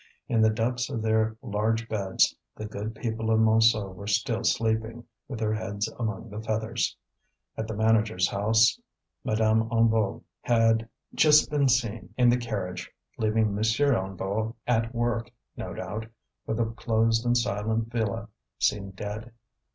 In the depths of their large beds the good people of Montsou were still sleeping, with their heads among the feathers. At the manager's house, Madame Hennebeau had just been seen setting out in the carriage, leaving M. Hennebeau at work, no doubt, for the closed and silent villa seemed dead.